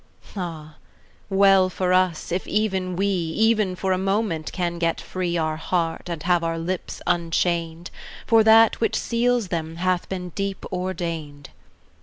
Ah! well for us, if even we, Even for a moment, can get free Our heart, and have our lips unchained; For that which seals them hath been deep ordained!